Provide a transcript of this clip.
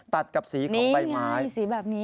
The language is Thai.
ตัดกับสีของใบไม้